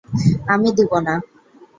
আমি দিব না!